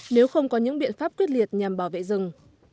nếu không có những biện pháp quyết liệt nhằm bảo vệ rừng